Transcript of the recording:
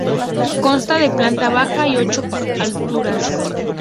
Consta de planta baja y ocho alturas.